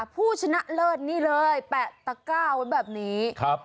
ผู้ชนะเลิศนี่เลยแปะตะกร้าวแบบนี้